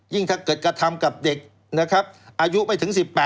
ยิ่งถ้าเกิดกระทำกับเด็กอายุไม่ถึง๑๘